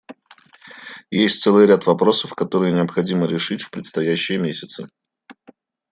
Есть целый ряд вопросов, которые необходимо решить в предстоящие месяцы.